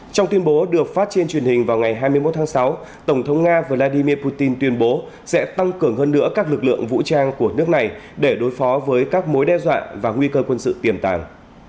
trong tuyên bố được phát trên truyền hình vào ngày hai mươi một tháng sáu tổng thống nga vladimir putin tuyên bố sẽ tăng cường hơn nữa các lực lượng vũ trang của nước này để đối phó với các mối đe dọa và nguy cơ quân sự tiềm tàng